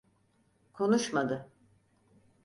Konuşmadı.